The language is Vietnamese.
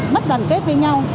bất đoàn kết với nhau